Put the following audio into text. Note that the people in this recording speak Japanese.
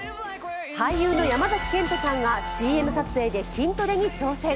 俳優の山崎賢人さんがＣＭ撮影で筋トレに挑戦。